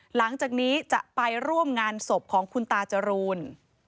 หลังจากนี้จะไปร่วมงานศพของคุณตาจรูน